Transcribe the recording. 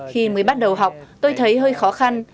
khi mới bắt đầu học tôi thấy hơi khó khăn